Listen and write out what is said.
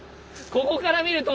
この横から見ると！